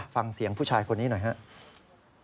ฟังเสียงผู้ชายคนนี้หน่อยครับ